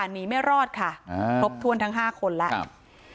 หนีไม่รอดค่ะครบถ้วนทั้ง๕คนแล้ว